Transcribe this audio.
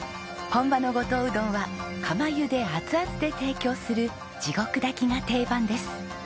本場の五島うどんは釜ゆで熱々で提供する地獄炊きが定番です。